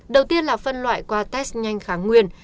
đầu tiên là phân loại qua test nhanh kháng nguyên